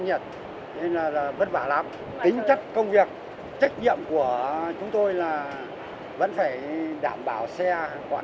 nhiệt nên là vất vả lắm tính chất công việc trách nhiệm của chúng tôi là vẫn phải đảm bảo xe quả